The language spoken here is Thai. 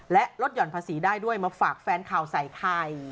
และลดหย่อนภาษีได้ด้วยมาฝากแฟนข่าวใส่ไข่